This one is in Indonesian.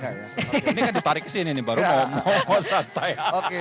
ini kan ditarik kesini nih baru mau santai